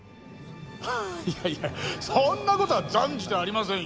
いやいやそんなことは断じてありませんよ。